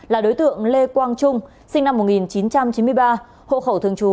là đối tượng lê quang trung sinh năm một nghìn chín trăm chín mươi ba hộ khẩu thường trú